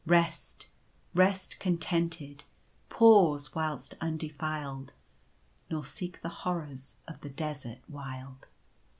Rest ! Rest contented. — Pause whilst undefiled, Nor seek the horrors of the desert wild."